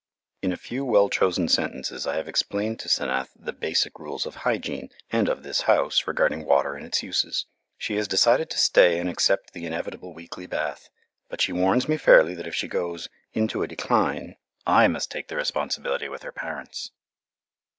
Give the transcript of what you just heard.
'" In a few well chosen sentences I have explained to 'Senath the basic rules of hygiene and of this house regarding water and its uses. She has decided to stay and accept the inevitable weekly bath, but she warns me fairly that if she goes "into a decline," I must take the responsibility with her parents!